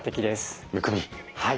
はい。